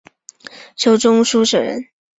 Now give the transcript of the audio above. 授中书舍人。